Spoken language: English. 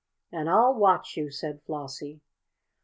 "And I'll watch you," said Flossie.